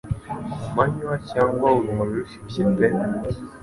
Ku manywa cyangwa urumuri rushyushye pe